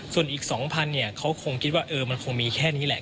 ส่วนอีก๒๐๐เนี่ยเขาคงคิดว่ามันคงมีแค่นี้แหละ